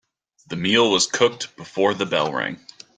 The meal was cooked before the bell rang.